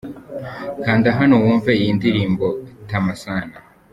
Kanda hano wumve iyi ndirimbo 'Tama sana' .